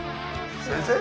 先生？